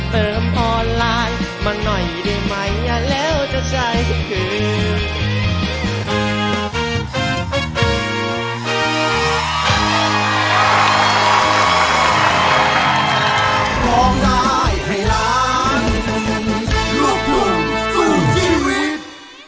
เติมออนไลน์มาหน่อยได้ไหมอย่าเล่าจะใช้คืน